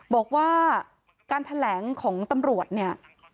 บอกว่าการแถลงของตำรวจเนี่ย